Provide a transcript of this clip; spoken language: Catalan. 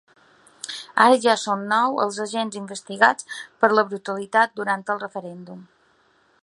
Ara ja són nou els agents investigats per la brutalitat durant el referèndum.